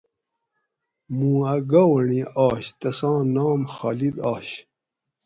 مُوں اۤ گاونڑی آش تساں نام خالِد آش